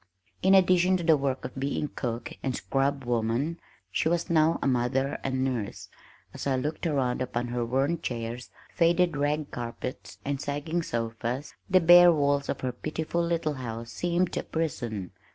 In addition to the work of being cook and scrub woman, she was now a mother and nurse. As I looked around upon her worn chairs, faded rag carpets, and sagging sofas, the bare walls of her pitiful little house seemed a prison.